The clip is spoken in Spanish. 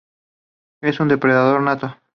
Es un depredador nato.